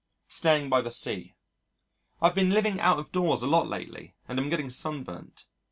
Staying by the Sea I have been living out of doors a lot lately and am getting sunburnt.